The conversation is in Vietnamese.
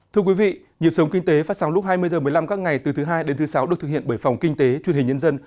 thưa quý vị nhiệm sống kinh tế phát sóng lúc hai mươi h một mươi năm các ngày từ thứ hai đến thứ sáu được thực hiện bởi phòng kinh tế truyền hình nhân dân